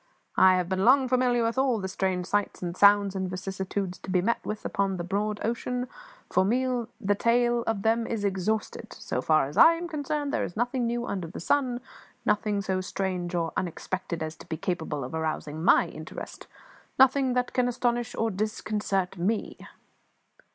I have long been familiar with all the strange sights and sounds and vicissitudes to be met with upon the broad ocean; for me the tale of them is exhausted; so far as I am concerned there is nothing new under the sun, nothing so strange or unexpected as to be capable of arousing my interest, nothing that can astonish or disconcert me."